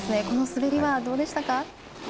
この滑りはどうでしたか？